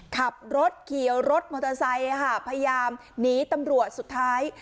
ขับรถขี่รถมอเตอร์ไซค์พยายามหนีตำรวจสุดท้าย